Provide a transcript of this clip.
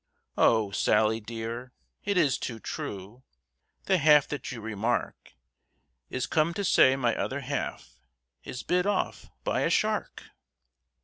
"Oh! Sally dear, it is too true, The half that you remark Is come to say my other half Is bit off by a shark!